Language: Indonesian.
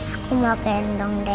aku mau gendong dede bayi